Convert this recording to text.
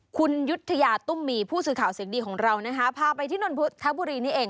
คุณยุธยาตุ้มมีผู้สื่อข่าวเสียงดีของเรานะคะพาไปที่นนทบุรีนี่เอง